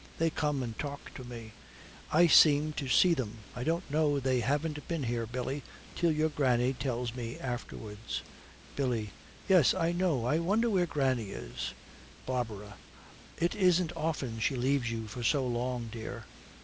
They come and talk to me. I seem to see them; I don't know they haven't been here, Billy, till your granny tells me afterwards.' BILLY. 'Yes, I know, I wonder where granny is.' BARBARA. 'It isn't often she leaves you for so long, dear.'